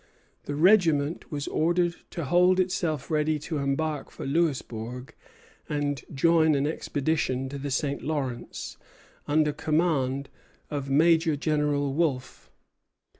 The regiment was ordered to hold itself ready to embark for Louisbourg and join an expedition to the St. Lawrence, under command of Major General Wolfe.